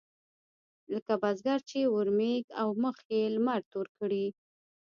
لکه بزګر چې اورمېږ او مخ يې لمر تور کړي.